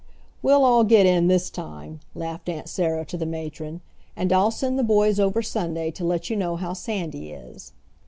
"We'll all get in this time," laughed Aunt Sarah to the matron. "And I'll send the boys over Sunday to let you know how Sandy is."